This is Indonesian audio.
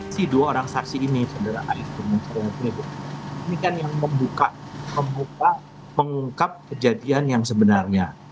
si dua orang saksi ini saudara aep dan saudara ibu ini kan yang membuka membuka mengungkap kejadian yang sebenarnya